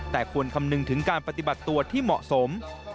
แต่ควรคำนึงถึงการปฏิบัติตัวที่เหมาะสม